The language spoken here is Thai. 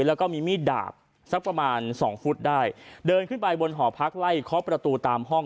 แล้วก็มีมีดดาบสักประมาณสองฟุตได้เดินขึ้นไปบนหอพักไล่เคาะประตูตามห้อง